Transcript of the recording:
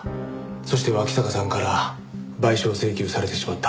そして脇坂さんから賠償請求されてしまった。